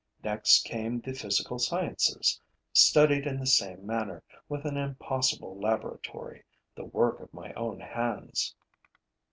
Next came the physical sciences, studied in the same manner, with an impossible laboratory, the work of my own hands.